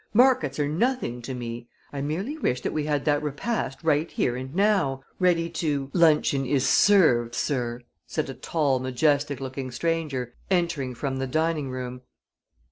Markets are nothing to me. I merely wish that we had that repast right here and now, ready to " "Luncheon is served, sir," said a tall, majestic looking stranger, entering from the dining room.